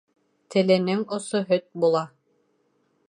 Теленең осо һөт була